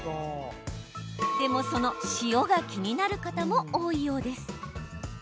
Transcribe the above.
でも、その塩が気になる方も多いようです。